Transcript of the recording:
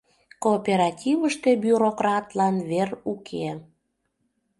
Кооперативыште бюрократлан вер уке.